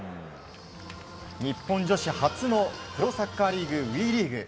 日本女子初のプロサッカーリーグ、ＷＥリーグ。